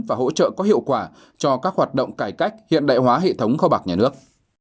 và hỗ trợ có hiệu quả cho các hoạt động cải cách hiện đại hóa hệ thống kho bạc nhà nước